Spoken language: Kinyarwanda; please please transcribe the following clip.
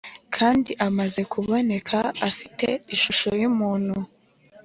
kandi amaze kuboneka afite ishusho yumuntu